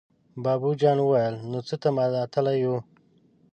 بابو جان وويل: نو څه ته ماتله يو!